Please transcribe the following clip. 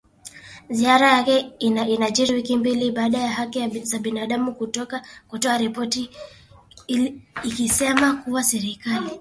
Ziara yake inajiri wiki mbili baada ya haki za binadamu kutoa ripoti ikisema kuwa serikali